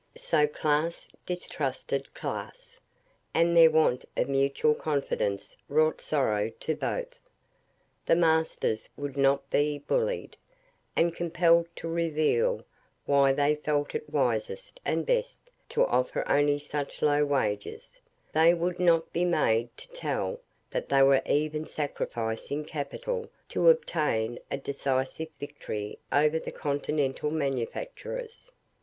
So class distrusted class, and their want of mutual confidence wrought sorrow to both. The masters would not be bullied, and compelled to reveal why they felt it wisest and best to offer only such low wages; they would not be made to tell that they were even sacrificing capital to obtain a decisive victory over the continental manufacturers.